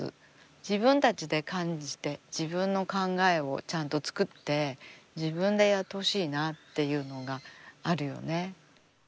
自分たちで感じて自分の考えをちゃんと作って自分でやってほしいなっていうのがあるよね。